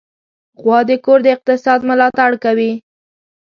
غوا د کور د اقتصاد ملاتړ کوي.